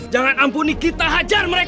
jangan ampuni kita hajar mereka